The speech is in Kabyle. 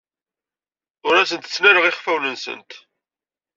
Ur asent-ttnaleɣ iɣfawen-nsent.